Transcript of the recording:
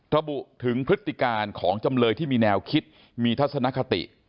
ระบุถึงพฤติการของจำเลยที่มีแนวคิดมีทัศนคติ